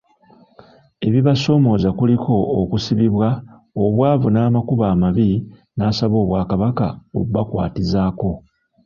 Ebisoomooza kuliko; okusibibwa, obwavu n'amakubo amabi, n'asaba Obwakabaka obakwatizaako.